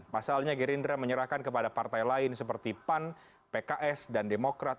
pasalnya gerindra menyerahkan kepada partai lain seperti pan pks dan demokrat